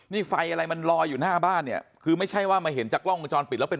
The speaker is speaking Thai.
นี่ไฟอะไรมันลอยอยู่หน้าบ้านเนี่ยคือไม่ใช่ว่ามาเห็นจากกล้องวงจรปิดแล้วเป็น